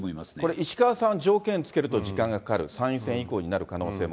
石川さんは条件つけると時間がかかる、参院選以降になる可能性も。